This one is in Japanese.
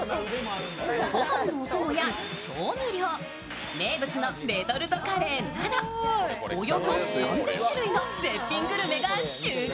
ご飯のおともや調味料、名物のレトルトカレーなどおよそ３０００種類の絶品グルメが集結。